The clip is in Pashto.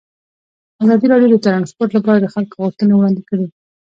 ازادي راډیو د ترانسپورټ لپاره د خلکو غوښتنې وړاندې کړي.